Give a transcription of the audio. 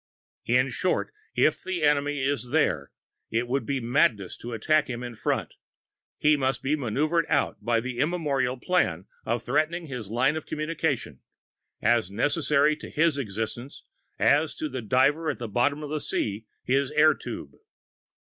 In short, if the enemy is there, it would be madness to attack him in front; he must be maneuvered out by the immemorial plan of threatening his line of communication, as necessary to his existence as to the diver at the bottom of the sea his air tube.